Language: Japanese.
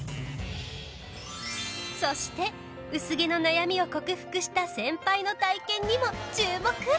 そして薄毛の悩みを克服したセンパイの体験にも注目。